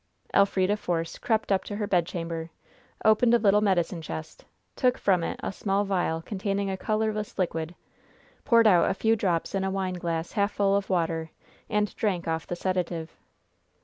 Elfrida Force crept up to her bedchamber, opened a little medicine chest, took from it a small vial containing a colorless liquid, poured out a few drops in a wineglass half full of water, and drank off the sedative.